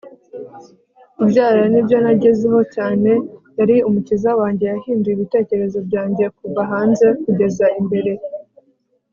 kubyara nibyo nagezeho cyane. yari umukiza wanjye. yahinduye ibitekerezo byanjye kuva hanze kugeza imbere